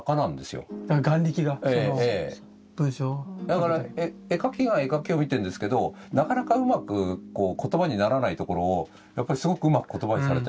だから絵描きが絵描きを見てんですけれどなかなかうまくこう言葉にならないところをやっぱりすごくうまく言葉にされてるなっていうのが。